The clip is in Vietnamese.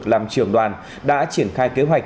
làm trường đoàn đã triển khai kế hoạch